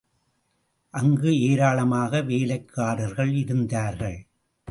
அங்கு ஏராளமாக வேலைக்காரர்கள் இருந்தார்கள்.